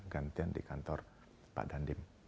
gantian di kantor pak dandim